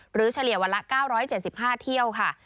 เฉลี่ยวันละ๙๗๕เที่ยวค่ะ